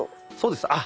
そうです。